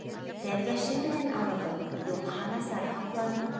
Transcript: Тәлгәше менән алығыҙ, юҡһа насар һаҡлана.